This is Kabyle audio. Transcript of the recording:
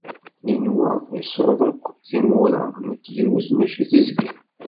Yenwa iṣuk-d akk timura, nekk yiwet mačči tezgel.